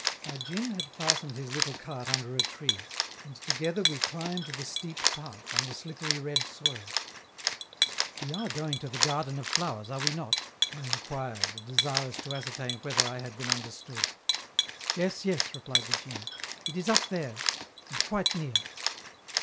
My djin had fastened his little cart under a tree, and together we climbed the steep path on the slippery red soil. "We are going to the Garden of Flowers, are we not?" I inquired, desirous to ascertain whether I had been understood. "Yes, yes," replied the djin, "it is up there, and quite near."